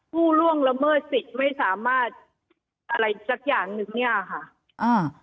ผู้ล่วงละเมิดสิทธิ์ไม่สามารถอะไรสักอย่างหนึ่งเนี่ยค่ะอ่า